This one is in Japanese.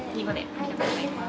ありがとうございます。